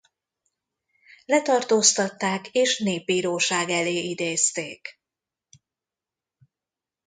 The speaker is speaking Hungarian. Letartóztatták és népbíróság elé idézték.